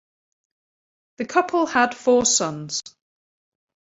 The couple had four sons.